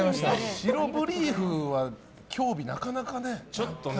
白ブリーフはきょうび、なかなかね。